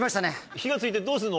火が付いてどうすんの？